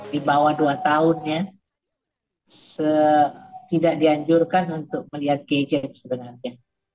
di bawah dua tahun ya tidak dianjurkan untuk melihat gadget sebenarnya